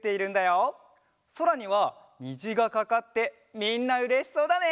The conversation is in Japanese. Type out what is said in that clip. そらにはにじがかかってみんなうれしそうだね！